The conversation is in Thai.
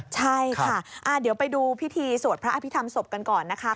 ใช่ค่ะเดี๋ยวไปดูพิธีสวดพระอภิษฐรรมศพกันก่อนนะคะ